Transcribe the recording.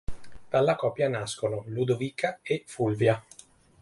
Dalla coppia nascono: Ludovica e Fulvia.